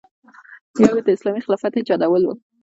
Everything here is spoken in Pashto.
یو یې د اسلامي خلافت ایجادول و.